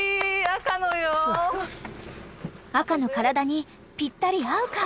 ［赤の体にぴったり合うか？］